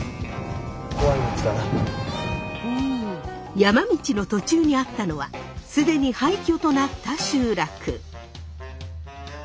おお山道の途中にあったのは既に廃虚となった集落。